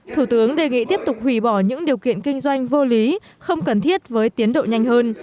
thủ tướng đề nghị tiếp tục hủy bỏ những điều kiện kinh doanh vô lý không cần thiết với tiến độ nhanh hơn